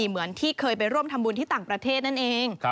เหมือนที่เคยไปร่วมทำบุญที่ต่างประเทศนั่นเอง